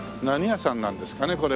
何屋さんなんですかね？